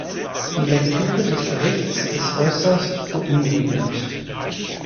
Die Lektüre des Berichts ist äußerst beunruhigend.